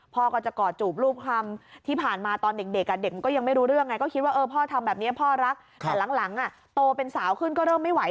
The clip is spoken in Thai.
พ่อก็จะกอดจูบลูกคำที่ผ่านมาตอนเด็กเด็กมันก็ยังไม่รู้เรื่องไง